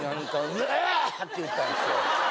ウエェッって言ったんですよ。